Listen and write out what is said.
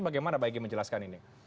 bagaimana mbak egy menjelaskan ini